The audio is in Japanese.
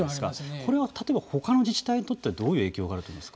これは例えばほかの自治体にとってはどういう影響があると思いますか。